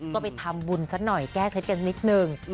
ก็ไปทำบุญซะหน่อยแก้เคล็ดกันนิดนึง